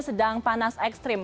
sedang panas ekstrim